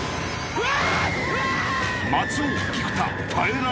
うわ！